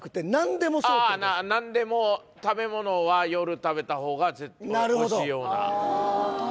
何でも食べ物は夜食べた方が絶対おいしいようなあっああ